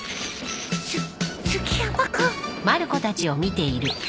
す杉山君？